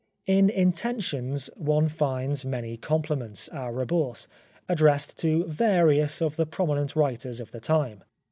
In "Intentions" one finds many compliments, a rebours, addressed to various of the prominent writers of the time.